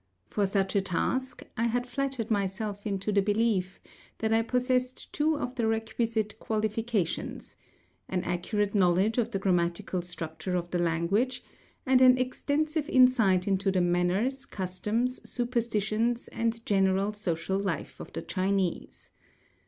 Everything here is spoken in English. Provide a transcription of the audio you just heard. For such a task I had flattered myself into the belief that I possessed two of the requisite qualifications: an accurate knowledge of the grammatical structure of the language, and an extensive insight into the manners, customs, superstitions, and general social life of the Chinese.